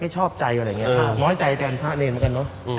ชอบใจอะไรอย่างนี้น้อยใจแทนพระเนรเหมือนกันเนอะ